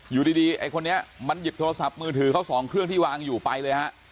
อยู่ดีไอ้คนนี้มันหยิบโทรศัพท์มือถือเขาสองเครื่องที่วางอยู่ไปเลยฮะ